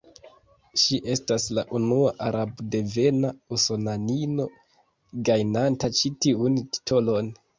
Ŝi estas la unua arabdevena usonanino, gajnanta ĉi tiun titolon.